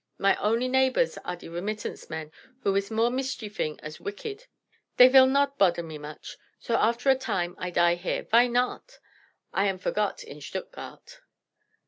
My only neighbors are de remittance men, who iss more mischiefing as wicked. Dey vill nod bother me much. So after a time I die here. Vy nod? I am forgot in Stuttgart."